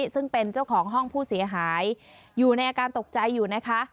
ซึ่งเป็นเจ้าของห้องผู้เสียหายอยู่ในอาการตกใจอยู่นะคะ